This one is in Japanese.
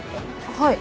はい。